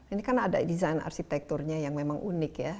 ini kan ada desain arsitekturnya yang memang unik ya